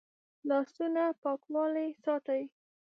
لاسونه پاکوالی ساتي